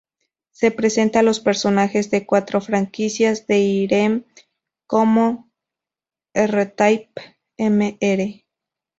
Se presenta a los personajes de cuatro franquicias de Irem como, R-Type, Mr.